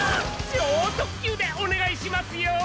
超特急でおねがいしますよ！